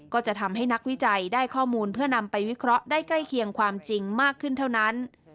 ก็จะทำให้นักวิจัยได้ข้อมูลเพื่อนำไปวิเคราะห์ได้ใกล้เคียงความจริงมากขึ้นเท่านั้น